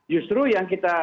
justru yang kita lakukan